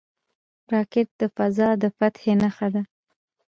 راکټ د فضا د فتح نښه ده